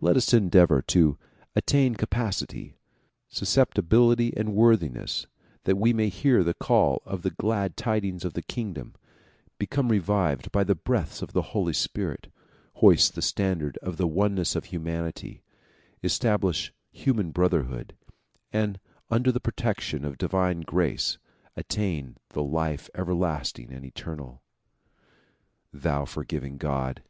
Let us endeavor to attain capacity, sus ceptibility and worthiness, that we may hear the call of the glad tidings of the kingdom, become revivified by the breaths of the Holy Spirit, hoist the standard of the oneness of humanity, establish human brotherhood, and under the protection of divine grace attain the life everlasting and eternal. thou forgiving God